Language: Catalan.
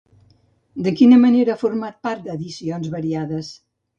De quina manera ha format part d'edicions variades?